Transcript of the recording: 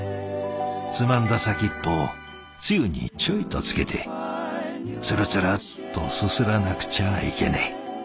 つまんだ先っぽをつゆにちょいとつけてつるつるっとすすらなくちゃいけねえ。